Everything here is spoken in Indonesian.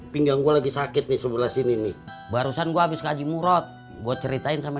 pinggang gua lagi sakit nih sebelah sini nih barusan gua habis kaji murad gua ceritain sama